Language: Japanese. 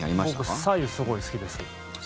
僕、さゆすごい好きですよ。